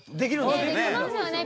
できますよね